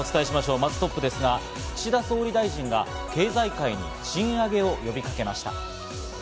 まずトップですが、岸田総理大臣が経済界に、賃上げを呼びかけました。